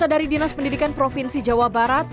dari dinas pendidikan provinsi jawa barat